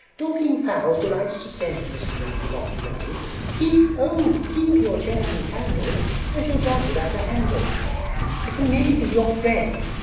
Dorking fowls delights to send, Mr. Yonghy Bonghy Bò! Keep, oh, keep your chairs and candle, And your jug without a handle, I can merely be your friend!